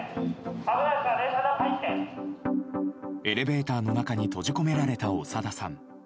エレベーターの中に閉じ込められた長田さん。